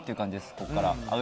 ここから。